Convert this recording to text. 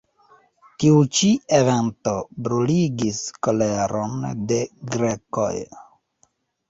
Tiu ĉi evento bruligis koleron de grekoj.